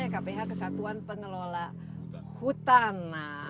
kph kesatuan pengelola hutan